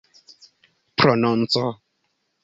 prononco